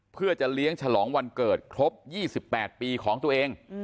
เพื่อจะเลี้ยงฉลองวันเกิดครบ๒๘ปีของตัวเอง